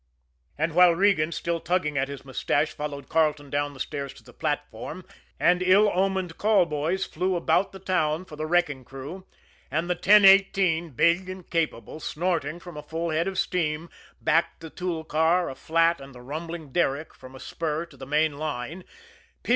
And while Regan, still tugging at his mustache, followed Carleton down the stairs to the platform, and ill omened call boys flew about the town for the wrecking crew, and the 1018, big and capable, snorting from a full head of steam, backed the tool car, a flat, and the rumbling derrick from a spur to the main line, P.